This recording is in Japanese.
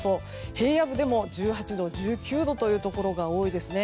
平野部でも１８度、１９度というところが多いですね。